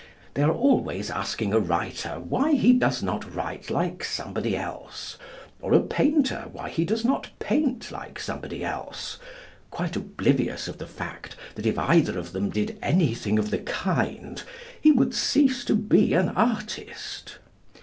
They are always asking a writer why he does not write like somebody else, or a painter why he does not paint like somebody else, quite oblivious of the fact that if either of them did anything of the kind he would cease to be an artist.